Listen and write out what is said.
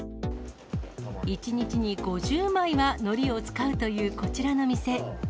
１日に５０枚はのりを使うというこちらの店。